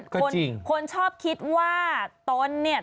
คนชอบว่าต้นเนี่ย